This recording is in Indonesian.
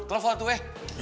telepon tuh ya